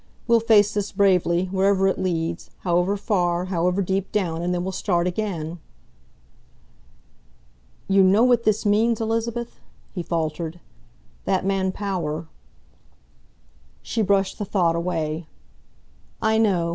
We'll face this bravely, wherever it leads, however far, however deep down, and then we'll start again." "You know what this means, Elizabeth?" he faltered. "That man Power " She brushed the thought away. "I know.